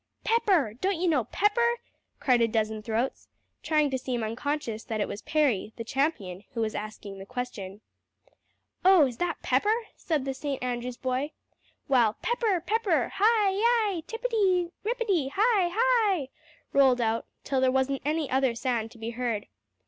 "Pepper don't you know Pepper?" cried a dozen throats, trying to seem unconscious that it was Parry, the champion, who was asking the question. "Oh, is that Pepper?" said the St. Andrew's boy. While "Pepper Pepper. Hi! Hi! Tippety Rippety! Hi! Hi!" rolled out, till there wasn't any other sound to be heard.